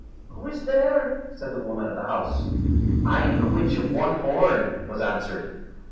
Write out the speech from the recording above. "Who is there?" said the woman of the house. "I am the Witch of one Horn," was answered.